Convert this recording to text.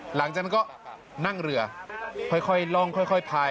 หลังจากนั้นก็นั่งเรือค่อยล่องค่อยพาย